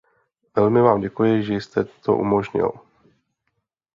Velmi vám děkuji, že jste to umožnil.